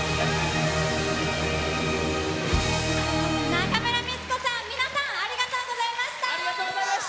中村美律子さん、皆さんありがとうございました。